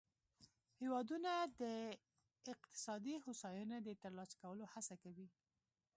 هیوادونه د اقتصادي هوساینې د ترلاسه کولو هڅه کوي